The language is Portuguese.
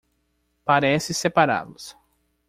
Parece separá-los